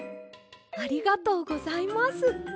ありがとうございます！